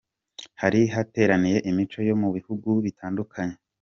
Hari hateraniye imico yo mu bihugu bitandukanye.